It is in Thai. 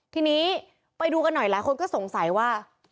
ทีนี้ไปดูกันหน่อยหลายคนก็สงสัยว่า